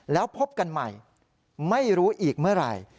แล้วพบกันใหม่ไม่รู้อีกเมื่อไหร่